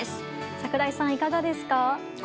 櫻井さん、いかがですか？